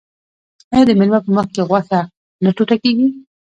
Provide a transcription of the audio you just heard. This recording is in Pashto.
آیا د میلمه په مخکې غوښه نه ټوټه کیږي؟